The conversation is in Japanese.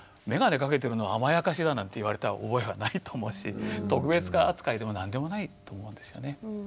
眼鏡かけてるのは「甘やかし」だなんて言われた覚えはないと思うし「特別扱い」でも何でもないと思うんですよね。